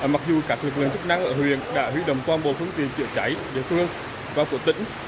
mặc dù cả thuyền quân chức năng ở huyện đã hủy đồng quan bộ phương tiện chữa cháy về phương và của tỉnh